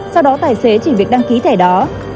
sau đó tài xế chỉ việc đăng ký thẻ đó